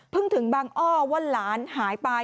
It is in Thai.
เพิ่งถึงบังอ้อว่าหลานหายไป